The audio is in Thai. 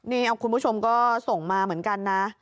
นี่คุณผู้ชมก็ส่งมาเหมือนกันนะ